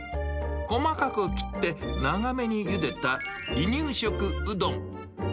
細かく切って長めにゆでた離乳食うどん。